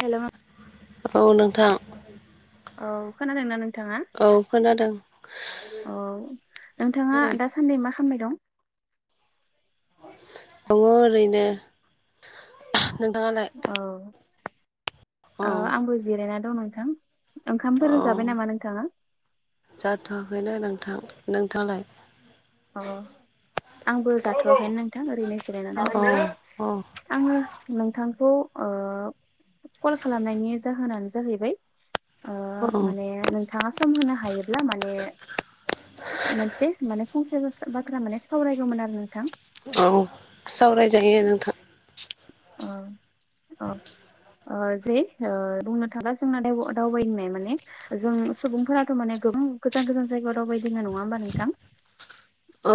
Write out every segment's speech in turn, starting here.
Hello नों औ नोंथां औ खोनादोंना नोंथां नोंथाङा औ खोनादों औ औ नोंथांङा दङ दासान्दि मा खालामबाय दं दङो ओरैनो नोंथाङालाय औ औ ओ आंबो जिरायना दं नोंथां औ ओंखामफोर जाबाय नामा नोंथाङा जाथ'वाखैनो नोंथां नोंथाङालाय अ आंबो औ जाथ'वाखैनो नोंथां ओरैनो जिरायनानै औ दांफैयोमोन औ आङो नोंथां खो ओ कल खालामनायनि जाहोनानो जाहैबाय ओ माने नोंथाङा सम होनो हायोब्ला माने मोनसे माने फंसे बाथ्रा माने सावरायगौमोन आरो नोंथां औ सावरायजायो नोंथां अ औ ओ जे ओ बुंनो थाङा जोंना दावबायनाय माने जों सुबुंफोराथ' माने गोबां गोजान गोजान जायगा राव बायदिनो नङा होमबा नोंथां औ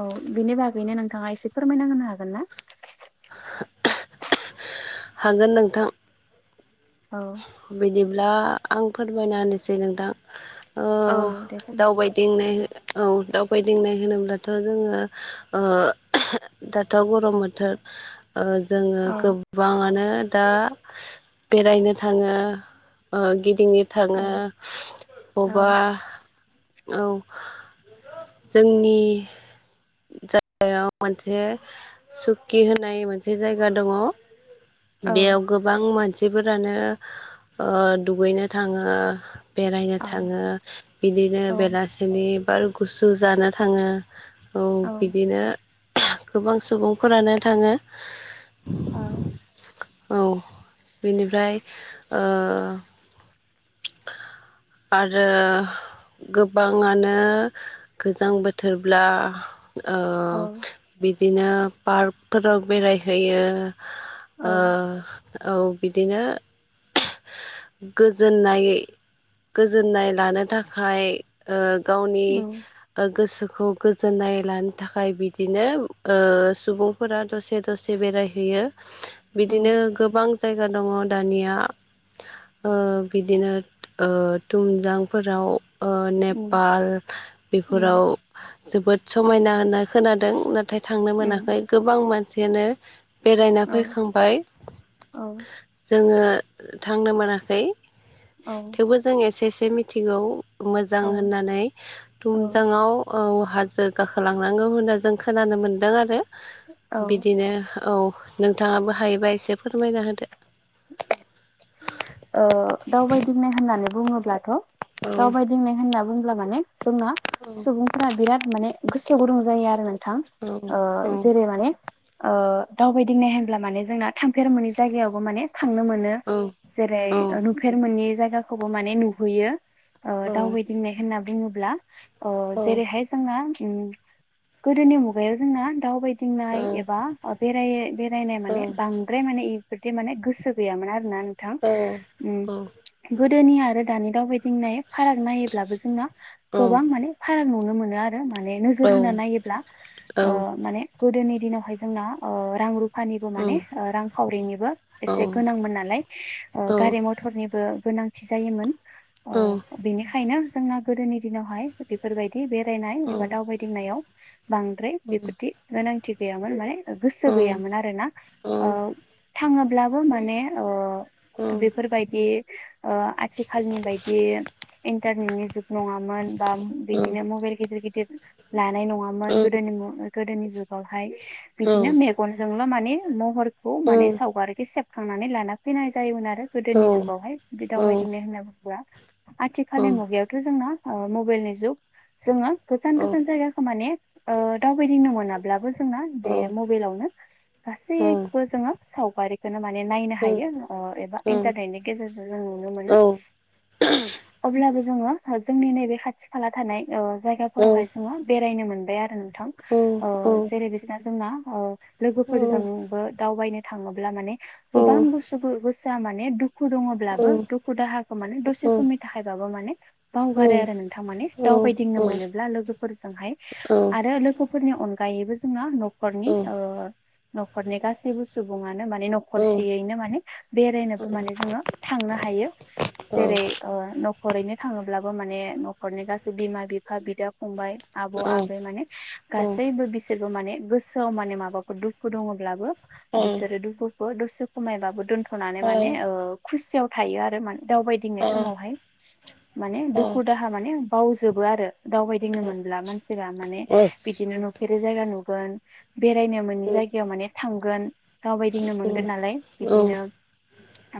औ बिनि बागैनो नोंथाङा एसे फोरमायना होनोनो हागोन ना हागोन नोंथां औ बिदि ब्ला आं फोरमायना होनोसै नोंथां ओ औ दे फोरमाय दावबायदिंनाय औ दावबायदिंनाय होनोब्लाथ' जोङो ओ दाथ' गरम बोथोर ओ जोङो औ गोब आंनो दा बेरायनो थाङो ओ गिदिं थाङो औ अबावबा औ औ जोंनि जायगायाव मोनसे सुक्कि होननाय मोनसे जायगा दङ औ बेयाव गोबां मानसिफोरानो ओ दुगैनो थाङो बेरायनो औ थाङो बिदिनो बेलासिनि बार गुसु जानो थाङो औ बिदिनो गोबां सुबुंफोरानो थाङो औ औ बेनिफ्राय ओ आरो गोबाङानो गोजां बोथोरब्ला ओ औ बिदिनो पार्कफोराव बेरायहैयो औ ओ औ बिदिनो गोजोननाय गोजोननाय लानो थाखाय ओ गावनि उम गोसोखौ खौ गोजोननाय लानो थाखाय बिदिनो ओ सुबुंफोरा दसे दसे बेरायहैयो बिदिनो उम गोबां जायगा दंङ दानिया ओ बिदिनो ओ थुमजांफोराव ओ उम नेपाल उम बेफोराव जोबोद समायना होनना खोनादों नाथाय थांनो उम मोनाखै गोबां मानसियानो बेरायना औ फैखांबाय औ जोंङो थांनो मोनाखै औ थेवबो जों एसे एसे मिथिगौ मोजां औ होननानै औ थुमजांङाव औ हाजो गाखोलांनांगौ होनना जों खोनानो मोन्दों आरो औ बिदिनो औ नोंथांङाबो हायोबा एसे फोरमायना होदो ओ दावबायदिंनाय होननानै बुंङोब्लाथ' औ दावबायदिंनाय होनना बुंब्ला माने जोंना औ सुबुंफोरा बिराद माने गोसोआव गुदं जायो आरो नोंथां ओ औ जेरै माने ओ दावबायदिं नाय होनब्ला माने जोंना थांफेरि मोनै जायगायावबो माने थांनो मोनो औ जेरै औ नुफेर मोनै जायगाखौबो माने नुहैयो ओ औ दावबायदिंनाय होनना बुंङोब्ला ओ औ जेरैहाय जोंना गोदोनि मुगायाव जोंना दावबायदिंनाय एबा बेराय बेरायनाय माने बांद्राय माने बेफोरदि माने गोसो गैयामोन आरो नोंथां औ गोदोनि आरो दानि दावबायदि नाय फाराग नायोब्लाबो जोंना गोबां माने फाराग नुनो मोनो आरो माने औ नोरजोर होनान नायोब्ला ओ माने गोदोनि दिनावहाय जोंना ओ रां रुफानिबो माने ओ रांखावरिनिबो औ एसे गोनांमोन नालाय गारि मथरनिबो गोनांथि जायोमोन ओ बेनिखायनो जोंना गोदोनि दिनावहाय बेफोरबायदि बेरायनाय एबा दावबायदिंनायाव बांद्राय बेफोरदि गोनांथि गैयामोन माने गोसो गैयामोन आरोना ओ थांङोब्लाबो माने ओ बेफोरबायदि ओ आथिखालनि बायदि इन्टारनेटनि जुग नंङामोन बा बिदिनो मबाइल गिदिर गिदिर लानाय नंङामोन गोदोनि मु गोदोनि जुगावहाय बिदिनो मेगनजों बा माने महरखौ सावगारिखौ सेबखांनानै लाना फैनाय जोयोमोन आरो गोदोनि जुगावहाय बे दावबायदिंनाय होनना बुंङोब्ला आथिखालनि मुगायावथ जोंना ओ मबाइलनि जुग जोंङो गोजान गोजान जायगाखौ माने ओ दावबायदिंनो मोनाब्लाबो जोंना बे मबाइलावनो गासैबो जोंङो सावगारिखौनो माने नायनो हायो ओ एबा इन्टारनेटनि गेजेरजों जों नुनो मोनो। अब्लाबो जोंङो जोंनि नैबे खाथि खाला थानाय ओ जायगाफोरावहाय जोंङो बेरायनो मोन बायआरो नोंथां ओ जेरै बिसना जोंना लोगोफोरजोंबो दावबायनो थां ब्ला माने गोबां गोसोफोर गोसोआ माने दुखु दंङब्लाबो दुखु दाहा माने दसे समनि थाखायबाबो माने बावगारो आरो नोंथां माने दावबायदिंनो मोनोब्ला लोगोफोरजोंहाय आरो लोगोफोरजोंहाय आरो लोगो फोरनि अनगायैबो जोंहा नखरनि ओ नखरनि गासैबो सुबुंङानो माने नखरसेयैनो माने बेरायनोबो माने जोंङो थांनो हायो जेरै ओ नखर रैनो थांङोब्लाबो माने नखरनि गासै बिमा बिफा बिदा फंबाय आबौ आबै माने गासैबो बिसोरबो माने गोसोआव माने माबाफोर दुखु दंङब्लाबो बिसोरो दुखु दसे खमायबाबो दोन्थनानै माने ओ खुसियाव थायो आरो माने दावबायदिंनाय समावहाय। माने दुखु दाहा माने बावजोबो आरो दावबायदिंनो मोनब्ला मानसिफोरा माने औ औ बिदिनो नुफेरि जायगा नुगोन बेरायनो मोनि आंथ' जायगायाव माने थांगोन दावबायदिंनो मोन गोन नालाय बिदिनो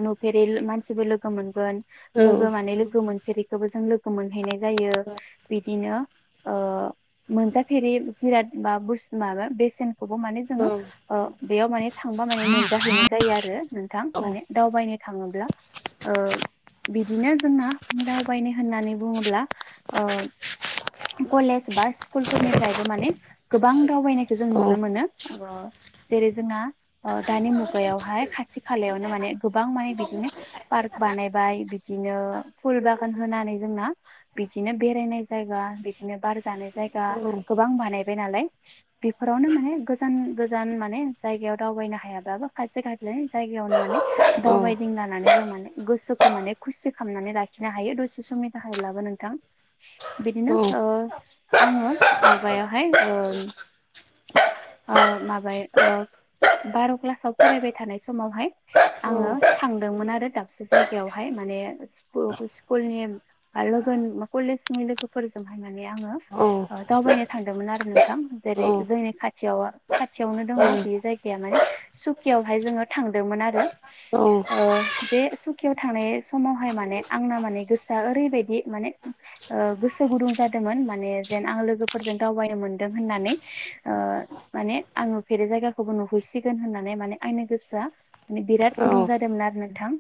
नुफेरै मानसिबो लोगो मोनगोन लोगो माने लोगो मोनफेरिखौबो जों लोगो मोनहैनाय जायो बिदिनो ओ मोनजाफेरि जिराद बा बुस्थु माबा बेसेनखौबो माने जोंङो ओ बेयाव माने थांबा माने मोन जाहैनाय जायो आरो नोंथां माने दावबायनो थाङोब्ला ओ बिदिनो जोंना दावबायनो होननानै बुङोब्ला ओ कलेज बा स्कुलफोरनिफ्रायबो माने गोबां दावबायनायखौ जों नुनो मोनो। जेरै जोंना ओ दानि मुगायावहाय खाथि खालायावनो माने गोबां माने बिदिनो पार्क बानायबाय बिदिनो फुल बागान होनानै जोंना बिदिनो बेरायनाय जायगा बिदिनो बार जानाय जायगा गोबां बानायबाय नालाय बेफोरावनो माने गोजान गोजान माने जायगायाव दावबायनो हाया बाबो खाथि खाथि जायगायावनो माने दावबायदि लानानै जों माने गोसोखौ माने खुसि खालामनानै लाखिनो हायो दसे समनि थाखाय ब्लाबो नोंथां बिदिनो ओ आङो आवगायावहाय ओ अ माबाय ओ बार' प्सा आव फरायबाय थानाय समावहाय आङो थांदोंमोन आरो दाबसे जायगायावहाय माने सिखु [unintelligible] स्कुलनि लोगोन कलेजनि लोगोफोरजोंहाय माने आङो दावबाय थांदोंमोन आरो नोंथां जेरै जोंनि खाथियाव खाथियावनो दङ किवहाय जोङो थांदोंमोन आरो ओ बे सुखियाव थांनाय समावहाय माने आंना माने गोसोआ ओरैबायदि माने ओ गोसो गुदुं जादोंमोन माने जेन आं लोगोफोरजों दावबायनो मोनदों होननानै माने आंङो नुफेरै जायगाखौबो नुहैसिगोन होननानै माने आंनो गोसोआ बिराद गुदुं जादोंमोन आरो नोंथां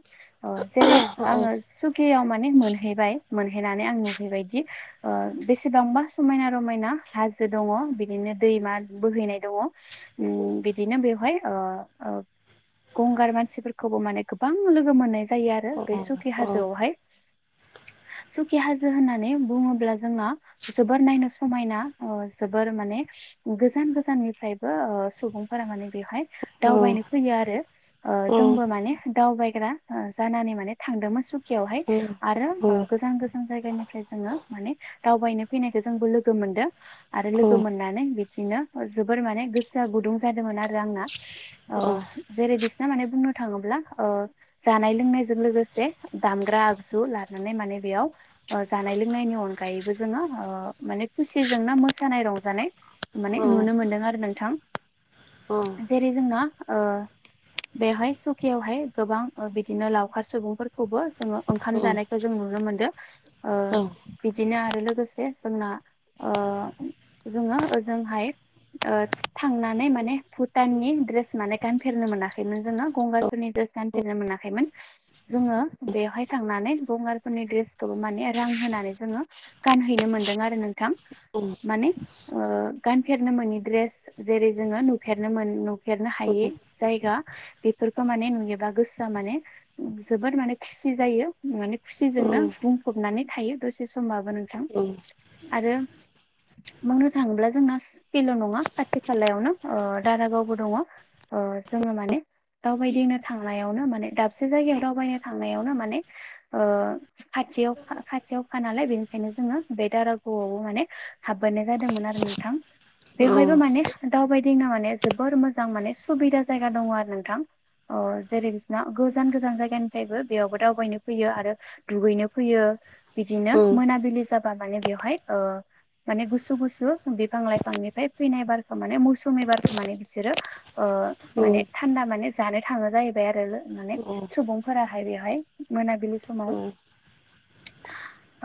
जेरै आङो सुकिया मोने मोनहैबाय मोनहैनानै आं नुैहैबायदि ओ बेसेबांबा समायना रमायना हा हाजो दङ बिदिनो दैमा बोहैनाय दङ बिदिनो बेवहाय ओ औ गंगार मानसिफोरखौबो माने गोबां लोगो मोननाय जायो आरो बे सुखि हाजोआवहाय [inaudible] सुखि हाजो होननानै बुङोब्ला जोंना जोबोर नायनो समायना जोबोर माने गोजान गोजाननिफ्रायबो ओ सुबुंफोरा माने बेवहाय दावबायनो फैयो आरो जोंबो माने दावबायग्रा जानानै माने थांदोंमोन सुकियाव [unintelligible] आरो गोजान गोजान जायगानिफ्राय जोङो माने दावबायनो फैनायखौ जोंबो लोगो मोनदों [unintelligible] आरो लोगो मोननानै बिदिनो जोबोर माने गोसोआ गुदुं जादोंमोन आरो आंना ओ जेरै बिसना माने बुंनो थाङोब्ला ओ जानाय लोंनायजों लोगोसे दामग्रा आगजु लानानै माने बेयाव ओ जानाय लोंनायनि अनगायैबो जोङो ओ माने खुसिजोंना मोसानाय रंजानाय माने नुनो मोनदों आरो नोंथां ओं जेरै जोंना ओ बेवहाय सुखियावहाय गोबां ओ बिदिनो लावखार सुबुंफोरखौबो जोङो ओंखाम जानायखौ जों नु नुनो मोनदों ओ बि दिनो आरो लोगोसे जोंना ओ जोङो ओजोंहाय ओ थांनानै माने भुटाननि ड्रेस माने गानफेरनो मोनाखैमोन जोङो गंगारफोरनि ड्रेस गानफेरनो मोनाखैमोन जोङो बेवहाय थांनानै गंगारफोरनि द्रेसखौबो माने रां होनानै जोङो गानहैनो मोनदों आरो नोंथां माने ओ गानफेरनो मोनै द्रेस जेरै जोंयो नुफेरनो मोन नुफेरनो हायै जायगा बेफोरखौ माने नुयोबा गोसोआ माने जोबोद माने खुसि जायो माने खुसिजोंनो बुंफबनानै थायो दसे समबाबो नोंथां आरो बुंनो थाङोब्ला जोंना सकिल' नङा खाथि खालायावनो ओ दारागावबो दङ ओ जोङो माने दावबायदिनो थांनायावनो माने दाबसे जायगायाव दावबायनो थांनायावनो माने ओ खा थियाव खाथियावखा नालाय बेनिखायनो जोङो बे दारागाआवबो माने हाबबोनाय जादोंमोन आरो नोंथां बेवहायबो माने दावबायदिना माने जोबोर मोजां माने सुबिदा जायगा दङ आरो नोंथां अ जेरै बिसना गोजान गोजान जायगानिफ्रायबो बेयावबो दावबायनो फैयो आरो दुगैनो फैयो बिदिनो मोनाबिलि [unintelligible] माने बेवहाय ओ माने गुसु गुसु बिफां लाइफांनिफ्राय फैनाय बारखौ माने मौ सुमि बारखौ माने बिसोरो ओ माने थान्दा माने जानो थाङो जाहैबाय आरो माने सुबुंफोराहाय बेहाय मोनाबिलि समाव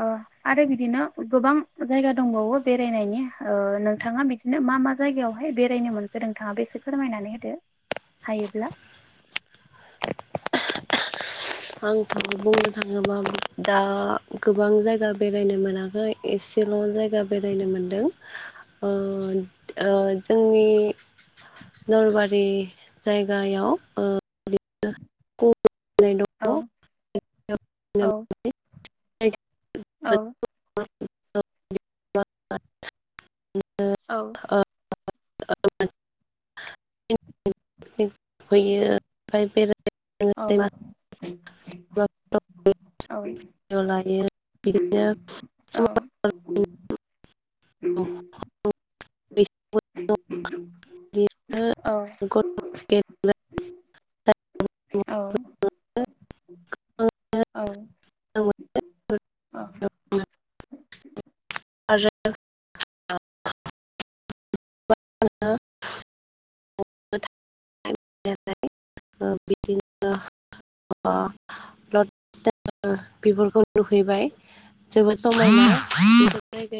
ओ आरो बिदिनो गोबां जायगा दंबावो बेरायनायनि ओ नोंथाङा बिदिनो मा मा जायगायावहाय बेरायनो मोनखो नोंथाङा फोरमायनानै होदो हायोब्ला [inaudible] आंथ' बुंनो थाङोबा दा गोबां जायगा बेरायनो मोनाखै एसे [unintelligible] जायगा बेरायनो मोनदों ओ जोंनि नलबारि जायगायाव ओ गय दङ औ [inaudible] औ औ। औ। होयो ओमफ्राय बेराय औ। लायो औ बिदिनो औ। [unintelligible] औ। औ औ औ आरो [unintelligible] [inaudible] [unintelligible] बिदिनो [unintelligible] बिफोरखौ नुहैबाय जोबोद समायना बिफोर जायगाया।